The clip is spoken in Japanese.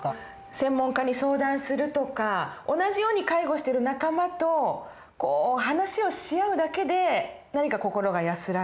専門家に相談するとか同じように介護してる仲間と話をし合うだけで何か心が安らぐ。